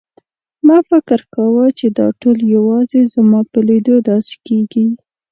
ما فکر کاوه چې دا ټول یوازې زما په لیدو داسې کېږي.